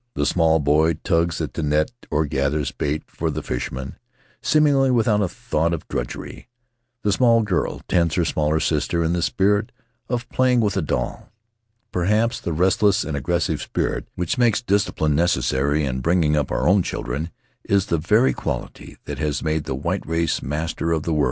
The small boy tugs at the net or gathers bait for the fishermen, seemingly without a thought of drudgery; the small girl tends her smaller sister in the spirit of playing with a doll. Perhaps the restless and aggressive spirit which makes discipline necessary in bringing up our own children is the very quality that has made the white race master of the world;